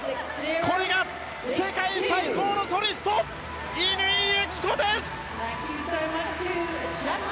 これが世界最高のソリスト乾友紀子です！